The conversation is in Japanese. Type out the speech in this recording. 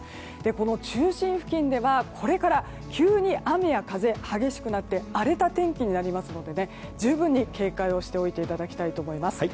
この中心付近ではこれから急に雨や風激しくなって荒れた天気になりますので十分に警戒をしておいていただきたいと思います。